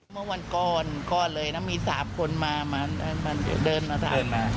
เมื่อวันก่อนก่อนเลยนะมี๓คนมาเดินมาถามมา